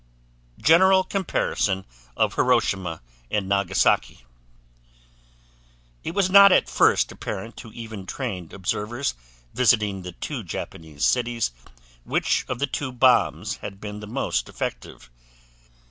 GENERAL COMPARISON OF HIROSHIMA AND NAGASAKI It was not at first apparent to even trained observers visiting the two Japanese cities which of the two bombs had been the most effective.